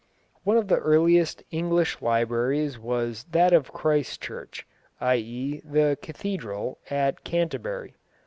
One of the earliest English libraries was that of Christ Church, i.e. the Cathedral, at Canterbury.